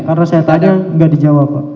karena saya tanya enggak dijawab pak